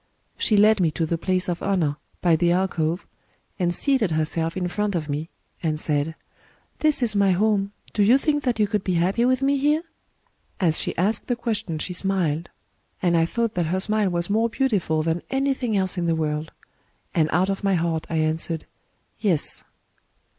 She led me to the place of honour, by the alcove, and seated herself in front of me, and said: 'This is my home: do you think that you could be happy with me here ?* As she asked the question she smiled; and I thought that her smile was more beautiful than anything else in the world; and out of my heart I answered, 'Yes.